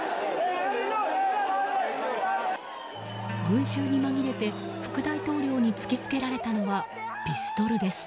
群衆に紛れて副大統領に突き付けられたのはピストルです。